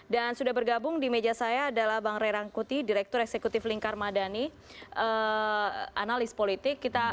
dan sudah bergabung di meja saya adalah bang ray rangkuti direktur eksekutif lingkar madani analis politik